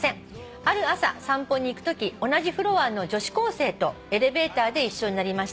「ある朝散歩に行くとき同じフロアの女子高生とエレベーターで一緒になりました」